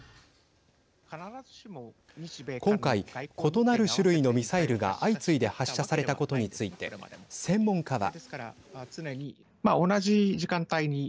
今回、異なる種類のミサイルが相次いで発射されたことについて専門家は。